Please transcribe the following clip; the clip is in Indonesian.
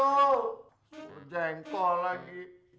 semur jengkol lagi